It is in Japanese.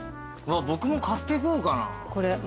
僕も買っていこうかな。